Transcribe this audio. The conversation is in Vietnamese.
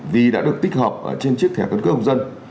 vì đã được tích hợp trên chiếc thẻ cân cước công dân